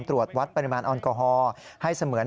ตรวจวัตรปริมาณออนกอฮอล์